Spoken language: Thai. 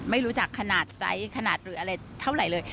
ไม่รู้จักขนาดไซส์ขนาดหรืออะไรเท่าไหร่เลย